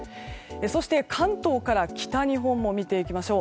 そして、関東から北日本も見ていきましょう。